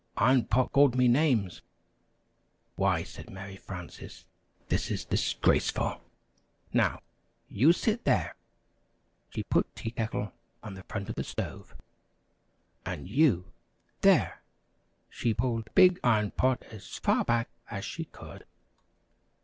"Iron Pot called me names!" "Why," said Mary Frances, "this is disgraceful! Now, you sit there!" She put Tea Kettle on the front of the stove. "And you, there!" She pulled Big Iron Pot as far back as she could.